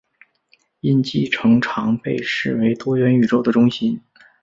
印记城常被视为多元宇宙的中心。